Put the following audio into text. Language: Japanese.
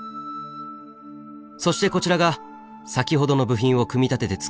そしてこちらが先ほどの部品を組み立ててつくった船です。